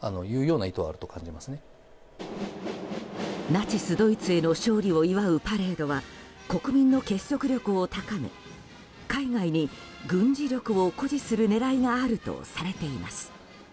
ナチスドイツへの勝利を祝うパレードは国民の結束力を高め海外に軍事力を誇示する狙いがあるとされています。